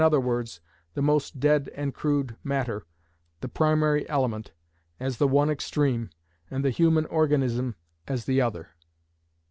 _, the most dead and crude matter, the primary element, as the one extreme, and the human organism as the other.